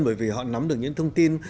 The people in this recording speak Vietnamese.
bởi vì họ nắm được những thông tin